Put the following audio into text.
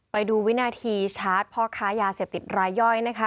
ไปดูวินาทีชาร์จพ่อค้ายาเสพติดรายย่อยนะคะ